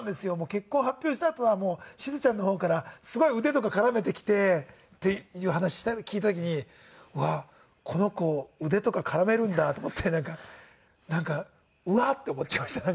「結婚発表したあとはしずちゃんの方からすごい腕とか絡めてきて」っていう話聞いた時にうわこの子腕とか絡めるんだと思ってなんかうわ！って思っちゃいました。